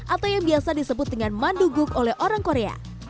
atau yang biasa disebut dengan mandu guguk oleh orang korea